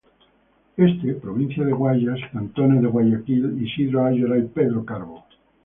Este: Provincia del Guayas, cantones de Guayaquil, Isidro Ayora y Pedro Carbo.